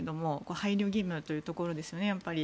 配慮義務というところですよね。